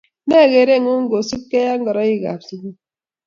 Née kerengung kosubkei ak ngoroikab sukul?